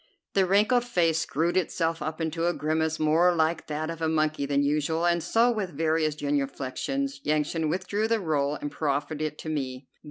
The wrinkled face screwed itself up into a grimace more like that of a monkey than usual, and so, with various genuflections, Yansan withdrew the roll and proffered it to me.